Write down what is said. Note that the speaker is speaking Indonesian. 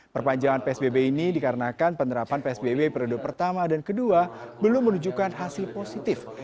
perpanjangan psbb ini dikarenakan penerapan psbb periode pertama dan kedua belum menunjukkan hasil positif